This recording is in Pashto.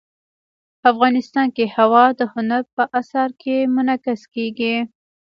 افغانستان کې هوا د هنر په اثار کې منعکس کېږي.